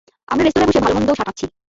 আমরা রেস্তরাঁয় বসে ভালোমন্দ সাঁটাচ্ছি।